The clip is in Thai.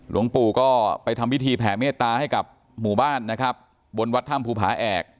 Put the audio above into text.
หลวงปู่ก็ไปทำพิธีแผ่เมตตาให้กับหมู่บ้านนะครับบนวัดถ้ำภูผาแอก